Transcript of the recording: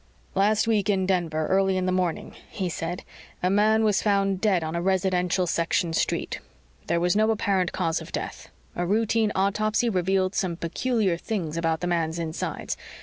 "Last week, in Denver, early in the morning," he said, "a man was found dead on a residential section street. There was no apparent cause of death. A routine autopsy revealed some peculiar things about the man's insides.